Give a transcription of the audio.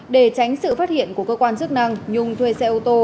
để tránh sự phát hiện của cơ quan chức năng nhung thuê xe ô tô